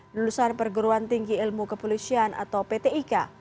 lulusan perguruan tinggi ilmu kepolisian atau pt ika